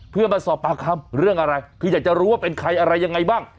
เพื่อมาสอบปากคำเรื่องอะไรคืออยากจะรู้ว่าเป็นใครอะไรยังไงบ้าง